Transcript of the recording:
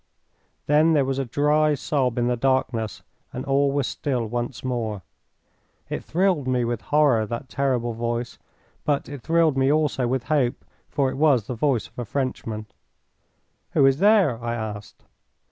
Then there was a dry sob in the darkness, and all was still once more. It thrilled me with horror, that terrible voice, but it thrilled me also with hope, for it was the voice of a Frenchman. "Who is there?" I asked.